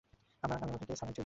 আমি আমার ভাইকে ছাড়া যাবো না।